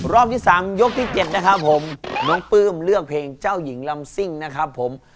รอบที่๓ยกที่๗นะครับผมน้องปลื้มเลือกเพลงเจ้าหญิงลำซิ่งนะครับผม